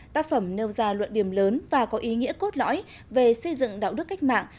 tác phẩm nêu ra luận điểm lớn và có ý nghĩa cốt lõi về xây dựng đạo đức cách mạng